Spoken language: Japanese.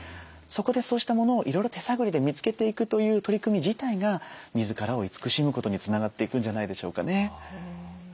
そこでそうしたものをいろいろ手探りで見つけていくという取り組み自体が自らを慈しむことにつながっていくんじゃないでしょうかね。